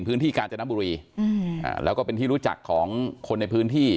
พื้นที่กาธ์จัดนับบุรีเราก็เป็นที่รู้จักของคนในพื้นที่